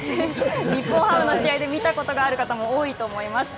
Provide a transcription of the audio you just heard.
日本ハムの試合で見たことがある方も多いと思います。